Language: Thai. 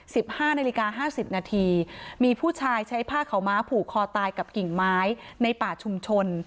ห้านาฬิกาห้าสิบนาทีมีผู้ชายใช้ผ้าขาวม้าผูกคอตายกับกิ่งไม้ในป่าชุมชน